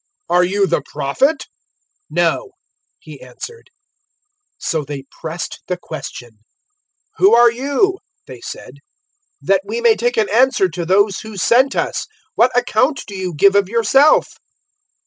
"Are you the Prophet?" "No," he answered. 001:022 So they pressed the question. "Who are you?" they said "that we may take an answer to those who sent us. What account do you give of yourself?"